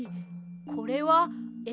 これはえ